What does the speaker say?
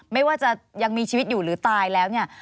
ไม่ว่าจะยังมีชีวิตอยู่หรือตายแล้วเนี่ย